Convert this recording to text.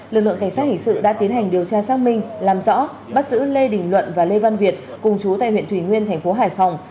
lực lượng cảnh sát hình sự đã tiến hành điều tra xác minh làm rõ bắt giữ lê đình luận và lê văn việt cùng chú tại huyện thủy nguyên thành phố hải phòng